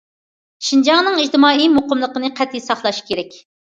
شىنجاڭنىڭ ئىجتىمائىي مۇقىملىقىنى قەتئىي ساقلاش كېرەك.